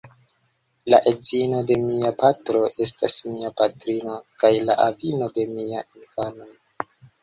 La edzino de mia patro estas mia patrino kaj la avino de miaj infanoj.